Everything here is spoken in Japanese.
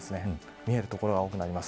見える所が多くなります。